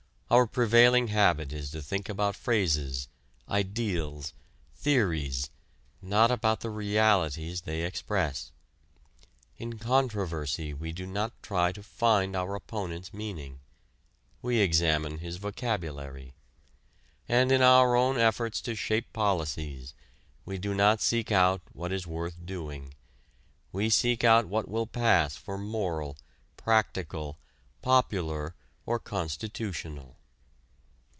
Our prevailing habit is to think about phrases, "ideals," theories, not about the realities they express. In controversy we do not try to find our opponent's meaning: we examine his vocabulary. And in our own efforts to shape policies we do not seek out what is worth doing: we seek out what will pass for moral, practical, popular or constitutional.